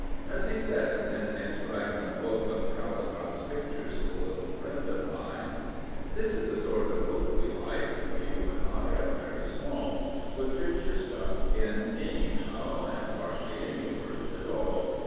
As he says, in inscribing a book of Caldecott's pictures to a little friend of mine — 335 Prophets, Priests, and Kings This is the sort of book w© like (For you and I are very small), With pictures stuck in anyhow, And hardly any words at all.